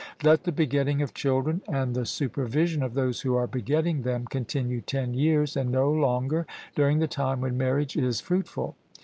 Let the begetting of children and the supervision of those who are begetting them continue ten years and no longer, during the time when marriage is fruitful.